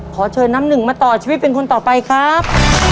ขอเชิญน้ำหนึ่งมาต่อชีวิตเป็นคนต่อไปครับ